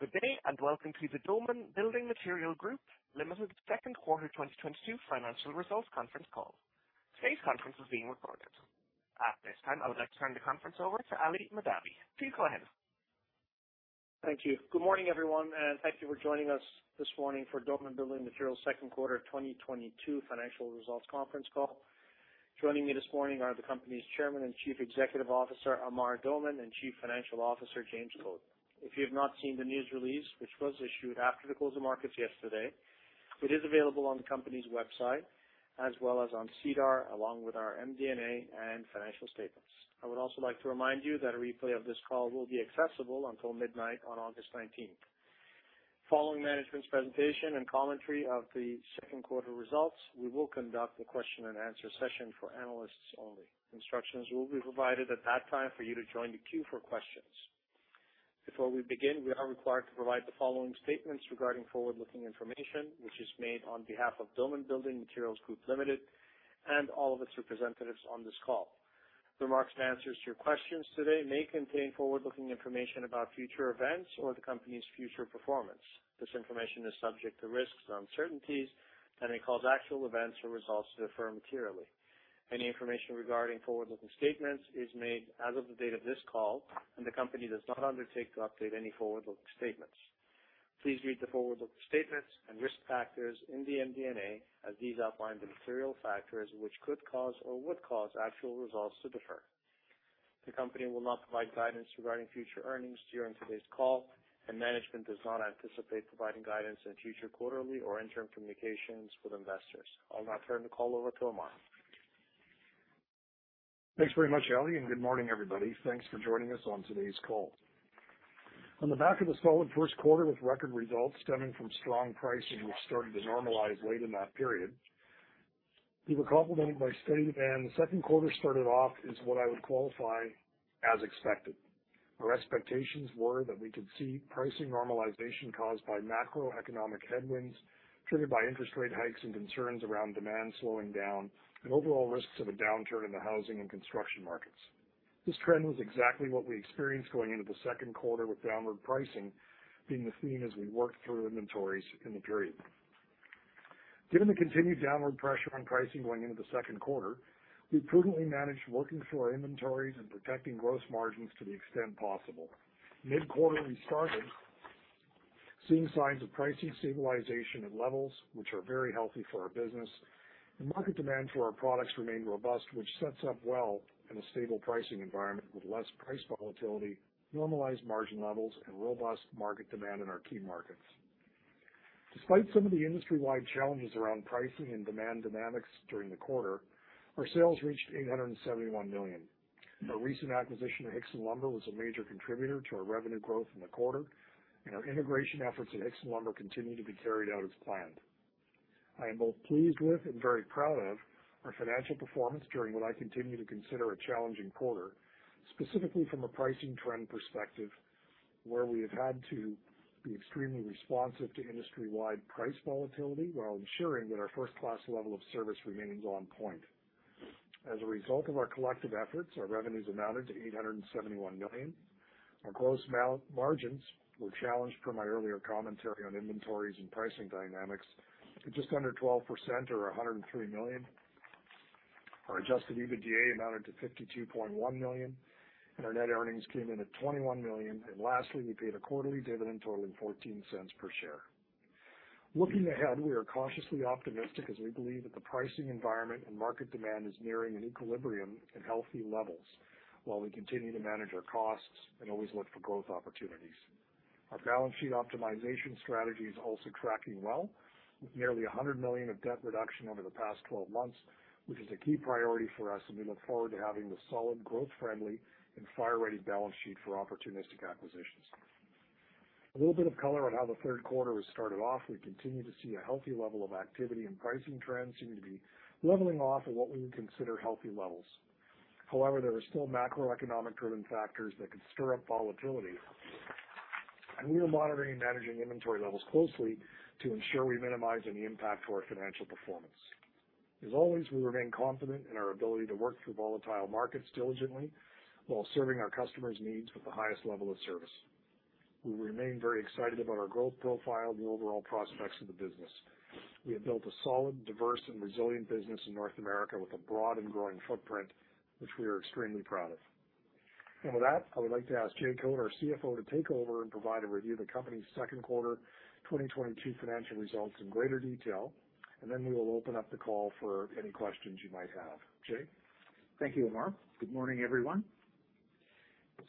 Good day, and welcome to the Doman Building Materials Group Ltd second quarter 2022 financial results conference call. Today's conference is being recorded. At this time, I would like to turn the conference over to Ali Mahdavi. Please go ahead. Thank you. Good morning, everyone, and thank you for joining us this morning for Doman Building Materials' second quarter 2022 financial results conference call. Joining me this morning are the company's Chairman and Chief Executive Officer, Amar Doman, and Chief Financial Officer, James Code. If you have not seen the news release, which was issued after the close of markets yesterday, it is available on the company's website as well as on SEDAR, along with our MD&A and financial statements. I would also like to remind you that a replay of this call will be accessible until midnight on August 19th. Following management's presentation and commentary of the second quarter results, we will conduct a question and answer session for analysts only. Instructions will be provided at that time for you to join the queue for questions. Before we begin, we are required to provide the following statements regarding forward-looking information which is made on behalf of Doman Building Materials Group Ltd and all of its representatives on this call. Remarks and answers to your questions today may contain forward-looking information about future events or the company's future performance. This information is subject to risks and uncertainties and may cause actual events or results to differ materially. Any information regarding forward-looking statements is made as of the date of this call, and the company does not undertake to update any forward-looking statements. Please read the forward-looking statements and risk factors in the MD&A as these outline the material factors which could cause or would cause actual results to differ. The company will not provide guidance regarding future earnings during today's call, and management does not anticipate providing guidance in future quarterly or interim communications with investors. I'll now turn the call over to Amar. Thanks very much, Ali, and good morning, everybody. Thanks for joining us on today's call. On the back of a solid first quarter with record results stemming from strong pricing which started to normalize late in that period, we were complemented by steady demand. The second quarter started off as what I would qualify as expected. Our expectations were that we could see pricing normalization caused by macroeconomic headwinds triggered by interest rate hikes and concerns around demand slowing down and overall risks of a downturn in the housing and construction markets. This trend was exactly what we experienced going into the second quarter, with downward pricing being the theme as we worked through inventories in the period. Given the continued downward pressure on pricing going into the second quarter, we prudently managed working through our inventories and protecting gross margins to the extent possible. Mid-quarter, we started seeing signs of pricing stabilization at levels which are very healthy for our business. The market demand for our products remained robust, which sets up well in a stable pricing environment with less price volatility, normalized margin levels, and robust market demand in our key markets. Despite some of the industry-wide challenges around pricing and demand dynamics during the quarter, our sales reached 871 million. Our recent acquisition of Hixson Lumber was a major contributor to our revenue growth in the quarter, and our integration efforts at Hixson Lumber continue to be carried out as planned. I am both pleased with and very proud of our financial performance during what I continue to consider a challenging quarter, specifically from a pricing trend perspective, where we have had to be extremely responsive to industry-wide price volatility while ensuring that our first-class level of service remains on point. As a result of our collective efforts, our revenues amounted to 871 million. Our gross margins were challenged per my earlier commentary on inventories and pricing dynamics to just under 12% or 103 million. Our adjusted EBITDA amounted to 52.1 million, and our net earnings came in at 21 million. Lastly, we paid a quarterly dividend totaling 0.14 per share. Looking ahead, we are cautiously optimistic as we believe that the pricing environment and market demand is nearing an equilibrium at healthy levels while we continue to manage our costs and always look for growth opportunities. Our balance sheet optimization strategy is also tracking well with nearly 100 million of debt reduction over the past 12 months, which is a key priority for us, and we look forward to having a solid, growth-friendly, and future-ready balance sheet for opportunistic acquisitions. A little bit of color on how the third quarter was started off. We continue to see a healthy level of activity, and pricing trends seem to be leveling off at what we would consider healthy levels. However, there are still macroeconomic-driven factors that could stir up volatility, and we are monitoring and managing inventory levels closely to ensure we minimize any impact to our financial performance. As always, we remain confident in our ability to work through volatile markets diligently while serving our customers' needs with the highest level of service. We remain very excited about our growth profile and the overall prospects of the business. We have built a solid, diverse, and resilient business in North America with a broad and growing footprint, which we are extremely proud of. With that, I would like to ask Jay Code, our CFO, to take over and provide a review of the company's second quarter 2022 financial results in greater detail, and then we will open up the call for any questions you might have. Jay? Thank you, Amar. Good morning, everyone.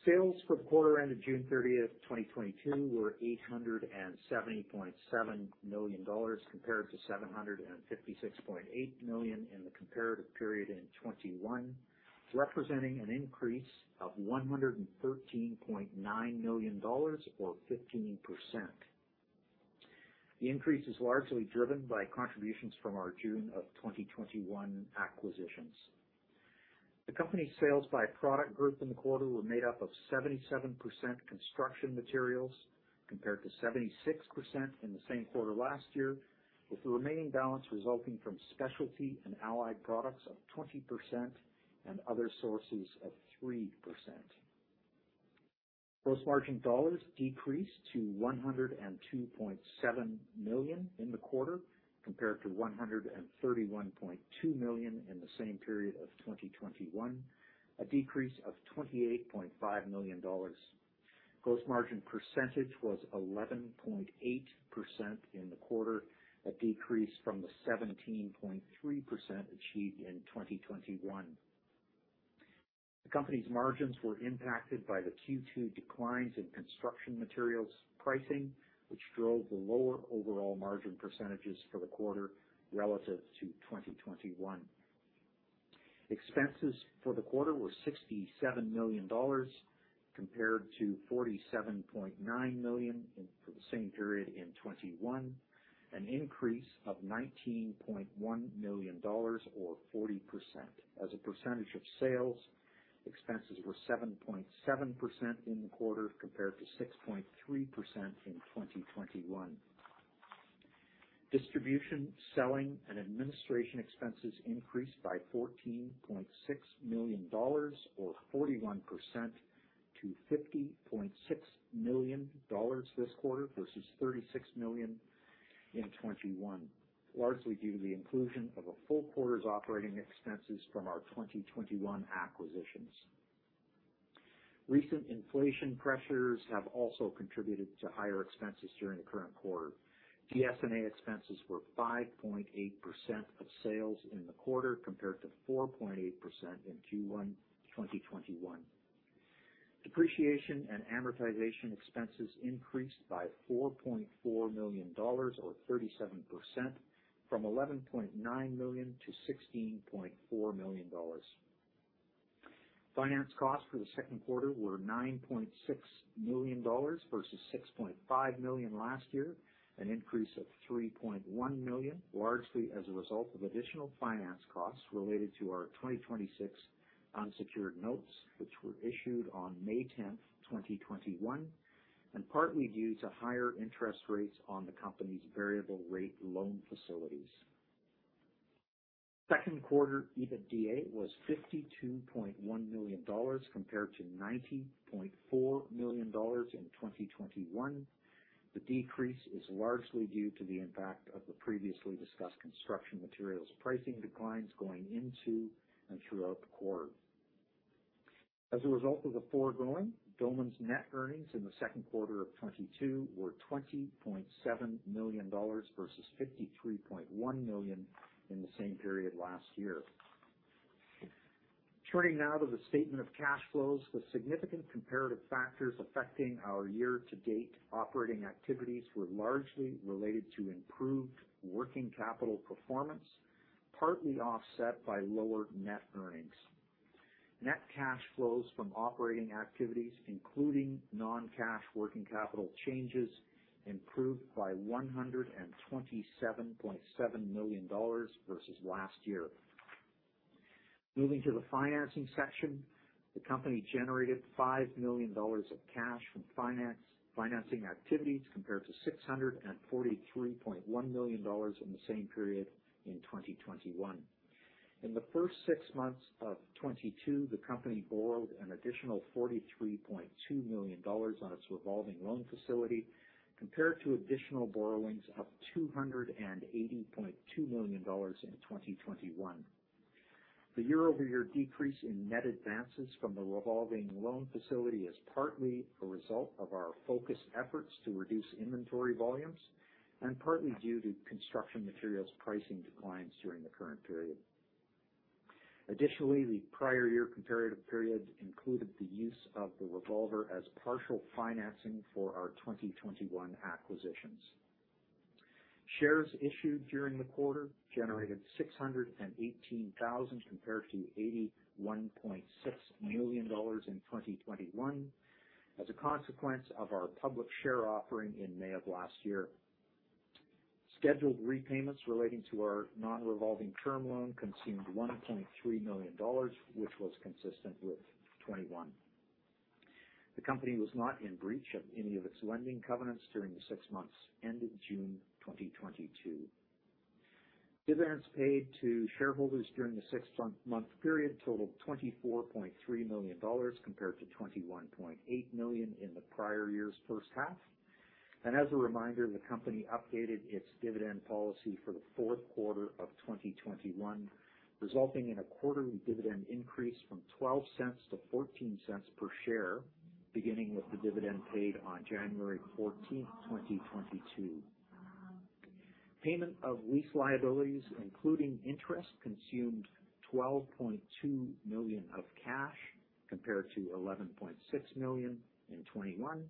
Sales for the quarter ended June 30, 2022 were 870.7 million dollars compared to 756.8 million in the comparative period in 2021, representing an increase of 113.9 million dollars or 15%. The increase is largely driven by contributions from our June 2021 acquisitions. The company's sales by product group in the quarter were made up of 77% construction materials compared to 76% in the same quarter last year, with the remaining balance resulting from specialty and allied products of 20% and other sources of 3%. Gross margin dollars decreased to 102.7 million in the quarter, compared to 131.2 million in the same period of 2021, a decrease of 28.5 million dollars. Gross margin percentage was 11.8% in the quarter, a decrease from the 17.3% achieved in 2021. The company's margins were impacted by the Q2 declines in construction materials pricing, which drove the lower overall margin percentages for the quarter relative to 2021. Expenses for the quarter were 67 million dollars, compared to 47.9 million for the same period in 2021, an increase of 19.1 million dollars or 40%. As a percentage of sales, expenses were 7.7% in the quarter, compared to 6.3% in 2021. Distribution, selling, and administration expenses increased by 14.6 million dollars or 41% to 50.6 million dollars this quarter versus 36 million in 2021, largely due to the inclusion of a full quarter's operating expenses from our 2021 acquisitions. Recent inflation pressures have also contributed to higher expenses during the current quarter. DS&A expenses were 5.8% of sales in the quarter, compared to 4.8% in Q1 2021. Depreciation and amortization expenses increased by 4.4 million dollars or 37% from 11.9 million to 16.4 million dollars. Finance costs for the second quarter were 9.6 million dollars versus 6.5 million last year, an increase of 3.1 million, largely as a result of additional finance costs related to our 2026 unsecured notes, which were issued on May 10th, 2021, and partly due to higher interest rates on the company's variable rate loan facilities. Second quarter EBITDA was 52.1 million dollars, compared to 90.4 million dollars in 2021. The decrease is largely due to the impact of the previously discussed construction materials pricing declines going into and throughout the quarter. As a result of the foregoing, Doman's net earnings in the second quarter of 2022 were 20.7 million dollars versus 53.1 million in the same period last year. Turning now to the statement of cash flows. The significant comparative factors affecting our year-to-date operating activities were largely related to improved working capital performance, partly offset by lower net earnings. Net cash flows from operating activities, including non-cash working capital changes, improved by 127.7 million dollars versus last year. Moving to the financing section. The company generated 5 million dollars of cash from financing activities, compared to 643.1 million dollars in the same period in 2021. In the first six months of 2022, the company borrowed an additional 43.2 million dollars on its revolving loan facility, compared to additional borrowings of 280.2 million dollars in 2021. The year-over-year decrease in net advances from the revolving loan facility is partly a result of our focused efforts to reduce inventory volumes and partly due to construction materials pricing declines during the current period. Additionally, the prior year comparative period included the use of the revolver as partial financing for our 2021 acquisitions. Shares issued during the quarter generated 618,000, compared to 81.6 million dollars in 2021 as a consequence of our public share offering in May of last year. Scheduled repayments relating to our non-revolving term loan consumed 1.3 million dollars, which was consistent with 2021. The company was not in breach of any of its lending covenants during the six months ended June 2022. Dividends paid to shareholders during the six-month period totaled 24.3 million dollars compared to 21.8 million in the prior year's first half. As a reminder, the company updated its dividend policy for the fourth quarter of 2021, resulting in a quarterly dividend increase from 0.12 to 0.14 per share, beginning with the dividend paid on January fourteenth, 2022. Payment of lease liabilities, including interest, consumed 12.2 million of cash, compared to 11.6 million in 2021.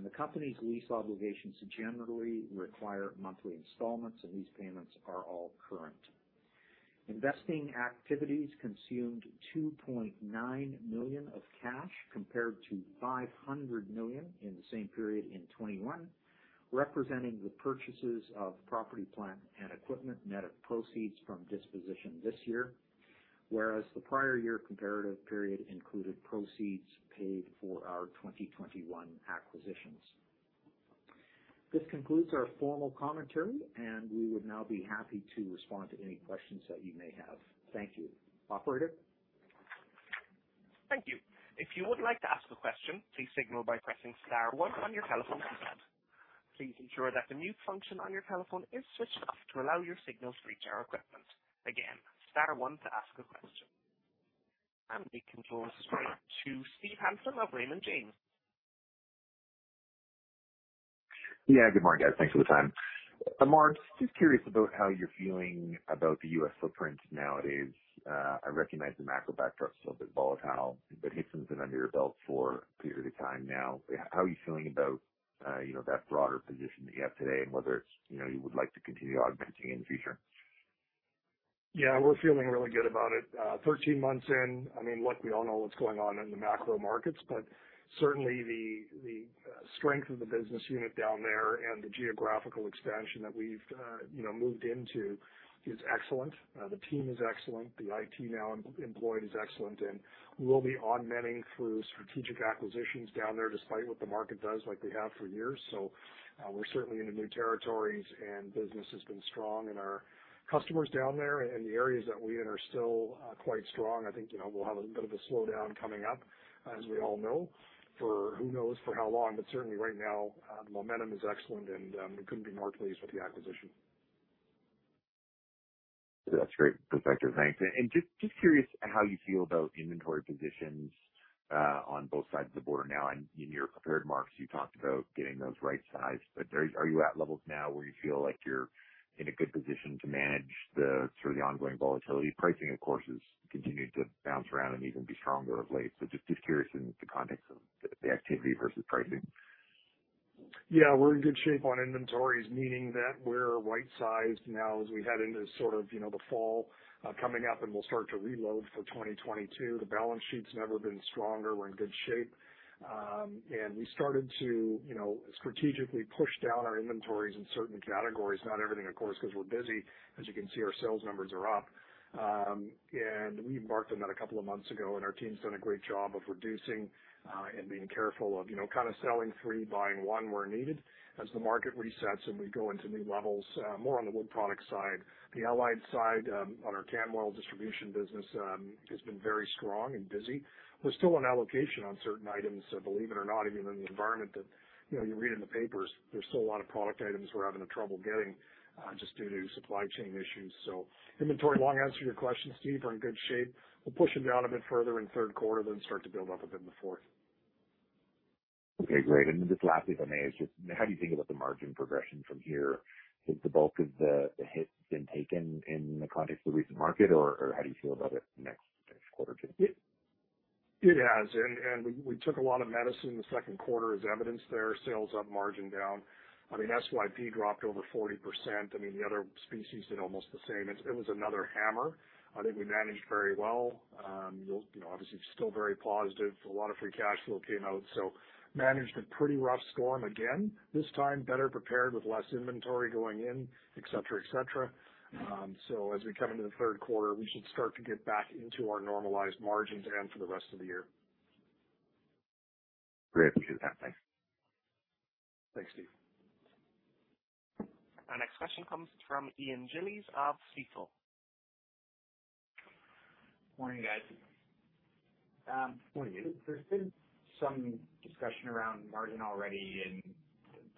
The company's lease obligations generally require monthly installments, and these payments are all current. Investing activities consumed 2.9 million of cash, compared to 500 million in the same period in 2021. Representing the purchases of property, plant, and equipment net of proceeds from disposition this year, whereas the prior year comparative period included proceeds paid for our 2021 acquisitions. This concludes our formal commentary, and we would now be happy to respond to any questions that you may have. Thank you. Operator? Thank you. If you would like to ask a question, please signal by pressing star one on your telephone keypad. Please ensure that the mute function on your telephone is switched off to allow your signals to reach our equipment. Again, star one to ask a question. We can go straight to Steve Hansen of Raymond James. Yeah, good morning, guys. Thanks for the time. Amar, just curious about how you're feeling about the U.S. footprint nowadays. I recognize the macro backdrop's a little bit volatile, but Hixson's been under your belt for a period of time now. How are you feeling about, you know, that broader position that you have today and whether it's, you know, you would like to continue on expanding in the future? Yeah, we're feeling really good about it. 13 months in, I mean, look, we all know what's going on in the macro markets, but certainly the strength of the business unit down there and the geographical expansion that we've you know moved into is excellent. The team is excellent. The team now employed is excellent, and we'll be adding many through strategic acquisitions down there, despite what the market does like we have for years. We're certainly into new territories and business has been strong and our customers down there in the areas that we're in are still quite strong. I think you know we'll have a bit of a slowdown coming up, as we all know, for who knows how long, but certainly right now the momentum is excellent and we couldn't be more pleased with the acquisition. That's great perspective. Thanks. Just curious how you feel about inventory positions on both sides of the border now, and in your prepared remarks, you talked about getting those right sized, but are you at levels now where you feel like you're in a good position to manage the sort of the ongoing volatility. Pricing, of course, has continued to bounce around and even be stronger of late. Just curious in the context of the activity versus pricing. Yeah, we're in good shape on inventories, meaning that we're rightsized now as we head into sort of, you know, the fall coming up and we'll start to reload for 2022. The balance sheet's never been stronger. We're in good shape. We started to, you know, strategically push down our inventories in certain categories. Not everything, of course, 'cause we're busy. As you can see, our sales numbers are up. We embarked on that a couple of months ago, and our team's done a great job of reducing and being careful of, you know, kind of selling three, buying one where needed as the market resets and we go into new levels more on the wood product side. The allied side on our CanWel distribution business has been very strong and busy. We're still on allocation on certain items, so believe it or not, even in the environment that, you know, you read in the papers, there's still a lot of product items we're having trouble getting, just due to supply chain issues. Inventory, to answer your question, Steve, are in good shape. We'll push it down a bit further in third quarter, then start to build up a bit in the fourth. Okay, great. Just lastly, if I may, is just how do you think about the margin progression from here? Has the bulk of the hit been taken in the context of the recent market or how do you feel about it next quarter too? It has. We took a lot of medicine in the second quarter as evidenced there. Sales up, margin down. I mean, SYP dropped over 40%. I mean, the other species did almost the same. It was another hammer. I think we managed very well. You know, obviously still very positive. A lot of free cash flow came out, so managed a pretty rough storm again, this time better prepared with less inventory going in, et cetera, et cetera. As we come into the third quarter, we should start to get back into our normalized margins and for the rest of the year. Great to hear that. Thanks. Thanks, Steve. Our next question comes from Ian Gillies of Stifel. Morning, guys. Morning, Ian. There's been some discussion around margin already, and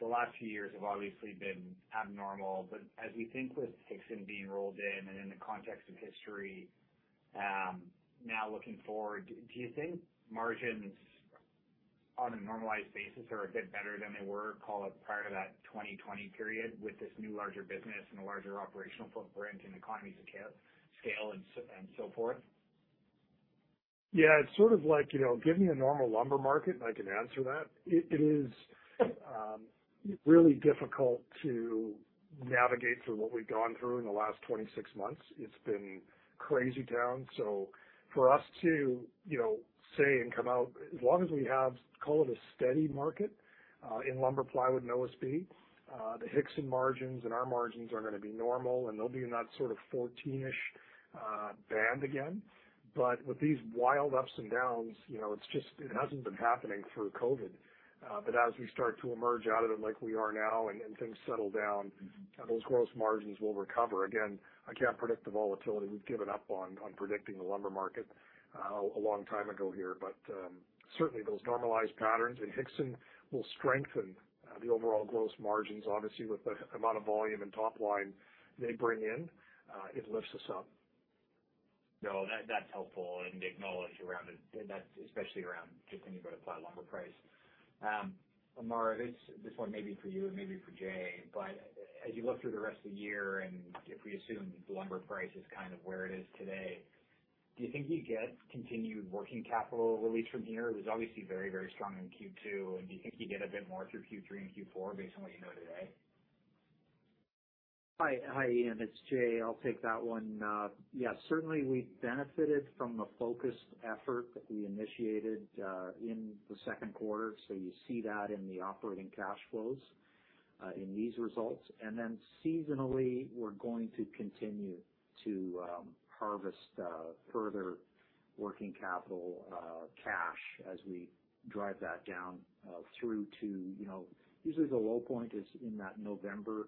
the last few years have obviously been abnormal. As we think with Hixson being rolled in, and in the context of history, now looking forward, do you think margins on a normalized basis are a bit better than they were, call it, prior to that 2020 period with this new larger business and a larger operational footprint and economies of scale and so forth? Yeah, it's sort of like, you know, give me a normal lumber market and I can answer that. It is really difficult to navigate through what we've gone through in the last 26 months. It's been crazy town. For us to, you know, say and come out, as long as we have, call it a steady market, in lumber, plywood and OSB, the Hixson margins and our margins are gonna be normal, and they'll be in that sort of 14%-ish band again. With these wild ups and downs, you know, it's just. It hasn't been happening through COVID. As we start to emerge out of it like we are now and things settle down, those gross margins will recover. Again, I can't predict the volatility. We've given up on predicting the lumber market a long time ago here. Certainly those normalized patterns in Hixson will strengthen the overall gross margins. Obviously, with the amount of volume and top line they bring in, it lifts us up. No, that's helpful and acknowledged around it. That's especially around just when you go to ply lumber price. Amar, this one may be for you and maybe for Jay, but as you look through the rest of the year and if we assume the lumber price is kind of where it is today, do you think you get continued working capital release from here? It was obviously very, very strong in Q2. Do you think you get a bit more through Q3 and Q4 based on what you know today? Hi, Ian, it's Jay. I'll take that one. Yeah, certainly we benefited from a focused effort that we initiated in the second quarter. You see that in the operating cash flows in these results. Seasonally, we're going to continue to harvest further working capital cash as we drive that down through to, you know, usually the low point is in that November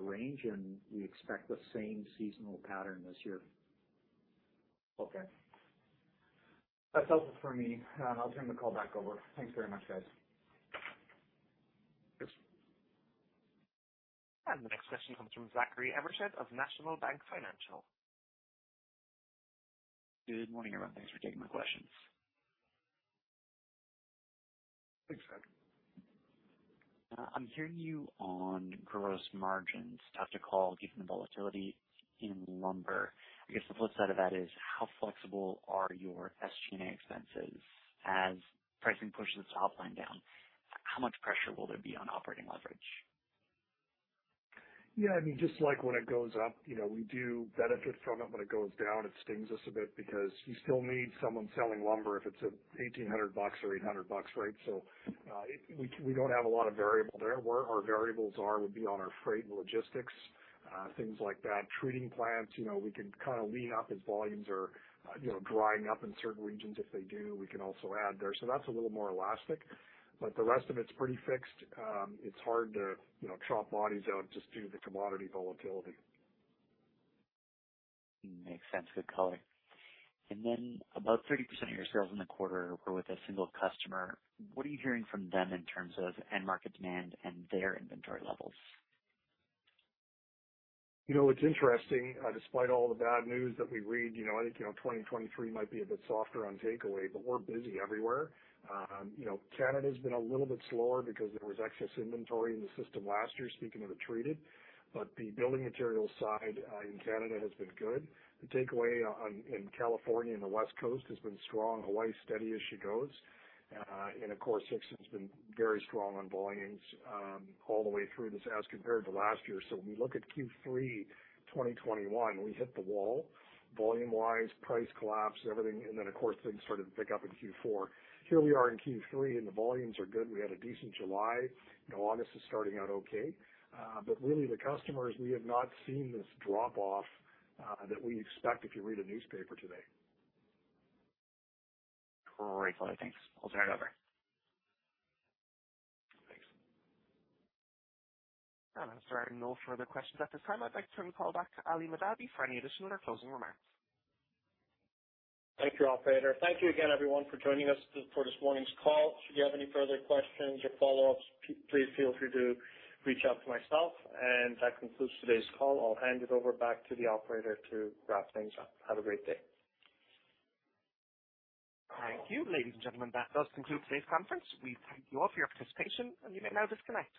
range, and we expect the same seasonal pattern this year. Okay. That's helpful for me. I'll turn the call back over. Thanks very much, guys. Thanks. The next question comes from Zachary Evershed of National Bank Financial. Good morning, everyone. Thanks for taking my questions. Thanks, Zach. I'm hearing you on gross margins, tough to call given the volatility in lumber. I guess the flip side of that is how flexible are your SG&A expenses? As pricing pushes the top line down, how much pressure will there be on operating leverage? Yeah, I mean, just like when it goes up, you know, we do benefit from it. When it goes down, it stings us a bit because you still need someone selling lumber if it's at 1,800 bucks or 800 bucks, right? We don't have a lot of variable there. Where our variables are would be on our freight and logistics, things like that. Treating plants, you know, we can kinda lean up as volumes are, you know, drying up in certain regions. If they do, we can also add there. That's a little more elastic, but the rest of it's pretty fixed. It's hard to, you know, chop bodies out just due to the commodity volatility. Makes sense. Good color. About 30% of your sales in the quarter were with a single customer. What are you hearing from them in terms of end market demand and their inventory levels? You know, it's interesting, despite all the bad news that we read, you know, I think, you know, 2023 might be a bit softer on takeaway, but we're busy everywhere. You know, Canada's been a little bit slower because there was excess inventory in the system last year, speaking of the treated, but the building materials side in Canada has been good. The takeaway on in California and the West Coast has been strong. Hawaii, steady as she goes. And of course, Houston's been very strong on volumes all the way through this as compared to last year. When we look at Q3 2021, we hit the wall volume-wise, price collapse, everything, and then of course, things started to pick up in Q4. Here we are in Q3, and the volumes are good. We had a decent July. You know, August is starting out okay. Really, the customers, we have not seen this drop-off that we expect if you read a newspaper today. Great. Thanks. I'll turn it over. Thanks. As there are no further questions at this time, I'd like to turn the call back to Ali Mahdavi for any additional or closing remarks. Thank you, operator. Thank you again everyone for joining us for this morning's call. If you have any further questions or follow-ups, please feel free to reach out to myself. That concludes today's call. I'll hand it over back to the operator to wrap things up. Have a great day. Thank you, ladies and gentlemen. That does conclude today's conference. We thank you all for your participation, and you may now disconnect.